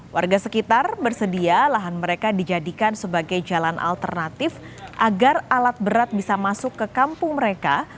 warga sekitar bersedia lahan mereka dijadikan sebagai jalan alternatif agar alat berat bisa masuk ke kampung mereka